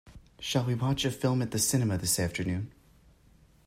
Shall we watch a film at the cinema this afternoon?